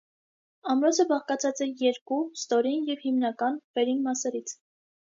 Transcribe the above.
Ամրոցը բաղկացած է երկու՝ ստորին և հիմնական՝ վերին մասերից։